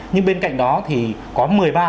nhưng bên cạnh đó thì có một mươi ba